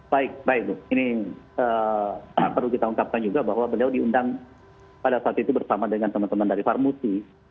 baik baik ini perlu kita ungkapkan juga bahwa beliau diundang pada saat itu bersama dengan teman teman dari farmuti